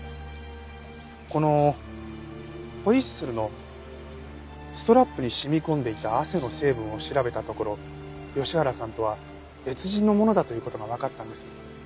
このホイッスルのストラップに染み込んでいた汗の成分を調べたところ吉原さんとは別人のものだという事がわかったんです。